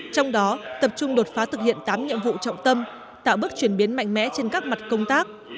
trong đó tập trung đột phá thực hiện tám nhiệm vụ trọng tâm tạo bước chuyển biến mạnh mẽ trên các mặt công tác